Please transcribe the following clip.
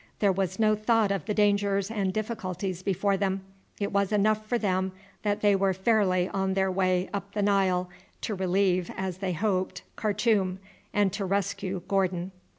There was no thought of the dangers and difficulties before them. It was enough for them that they were fairly on their way up the Nile to relieve, as they hoped, Khartoum, and to rescue Gordon.